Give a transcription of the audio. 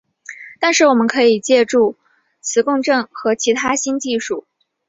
但是我们可以借助磁共振和其他新技术来探索这些问题。